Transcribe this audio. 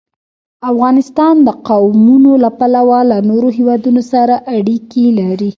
افغانستان د قومونه له پلوه له نورو هېوادونو سره اړیکې لري.